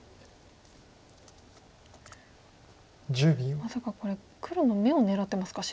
まさかこれ黒の眼を狙ってますか白。